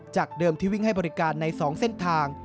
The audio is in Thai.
จากเดิมที่วิ่งให้บริการใน๒เส้นทาง